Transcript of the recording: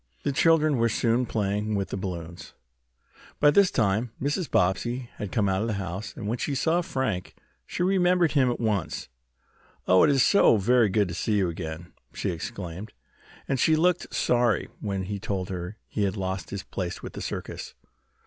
The children were soon playing with the balloons. By this time Mrs. Bobbsey had come out of the house, and when she saw Frank she remembered him at once. "Oh, it is very good to see you again," she exclaimed, and she looked sorry when he told her he had lost his place with the circus.